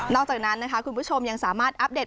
นอกจากนั้นคุณผู้ชมยังสามารถอัปเดต